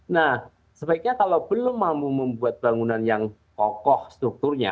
nah sebaiknya kalau belum mampu membuat bangunan yang kokoh strukturnya